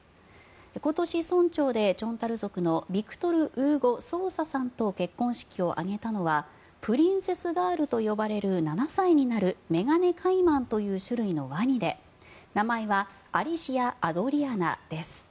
今年、村長でチョンタル族のビクトル・ウーゴ・ソーサさんと結婚式を挙げたのはプリンセスガールと呼ばれる７歳になるメガネカイマンという種類のワニで名前はアリシア・アドリアナです。